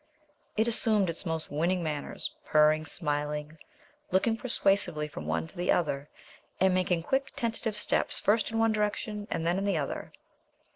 It assumed its most winning manners, purring, smiling, looking persuasively from one to the other, and making quick tentative steps first in one direction and then in the other.